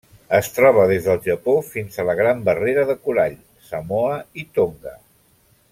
Es troba des del Japó fins a la Gran Barrera de Corall, Samoa i Tonga.